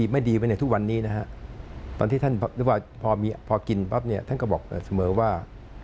ไม่ดีไว้ในทุกวันนี้นะฮะตอนที่ท่านพอกินปั๊บเนี่ยท่านก็บอกเสมอว่า